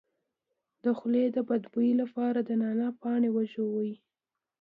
د خولې د بد بوی لپاره د نعناع پاڼې وژويئ